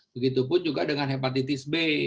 begitu pun juga dengan hepatitis b